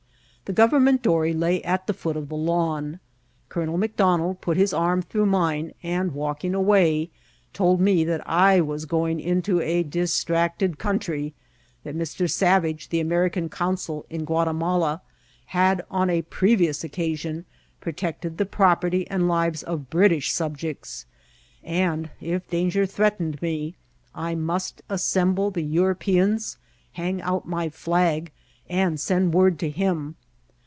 The government dory lay at the foot of the lawn. Colonel McDonald put his arm through mine, and, walking away, told me that I was going into a distracted country ; that Mr. Savage, the Amer ican consul in Guatimala, had, on a previous occasion, protected the property and lives of British subjects ; and, if danger threatened me, I must assemble the Eu ropeans, hang out my flag, and send word to him.